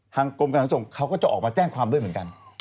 กรมการขนส่งเขาก็จะออกมาแจ้งความด้วยเหมือนกัน